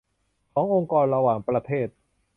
ขององค์กรระหว่างประเทศ